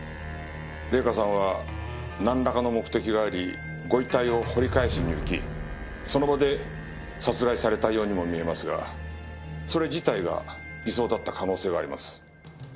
礼香さんはなんらかの目的がありご遺体を掘り返しに行きその場で殺害されたようにも見えますがそれ自体が偽装だった可能性があります。